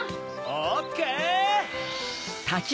オッケー！